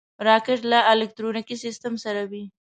راکټ له الکترونیکي سیسټم سره وي